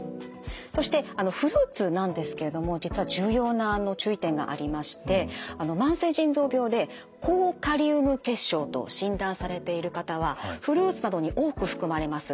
そしてあのフルーツなんですけれども実は重要な注意点がありまして慢性腎臓病で高カリウム血症と診断されている方はフルーツなどに多く含まれます